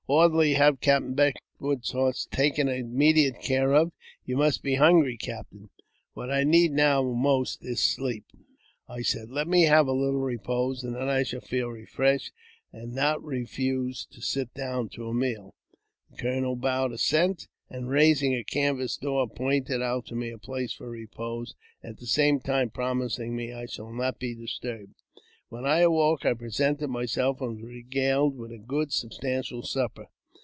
Orderly, have Captain Beckwourth's horse taken immediate care of. You must be hungry, captain." " What I need most now is sleep," I said ; "let me have a little repose, and then I shall feel refreshed, and will not refuse to sit down to a meal." The colonel bowed assent, and, raising a canvas door, pointed out to me a place for repose, at the same time promising me I should not be disturbed. When I awoke, I presented myself, and was regaled with a good substantial supper.